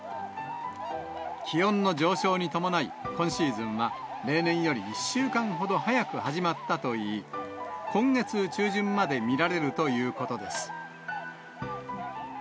気温の上昇に伴い、今シーズンは例年より１週間ほど早く始まったといい、今月中旬まで見られるということです。